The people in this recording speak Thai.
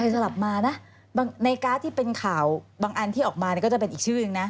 สลับมานะในการ์ดที่เป็นข่าวบางอันที่ออกมาก็จะเป็นอีกชื่อนึงนะ